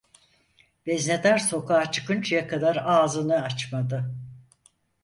Veznedar sokağa çıkıncaya kadar ağzını açmadı.